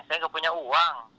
saya tidak punya uang